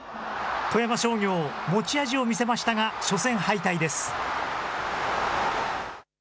富山商業、持ち味を見せましたが初戦敗退です。